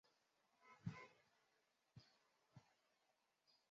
大战乡是中国浙江省仙居县所辖的一个镇。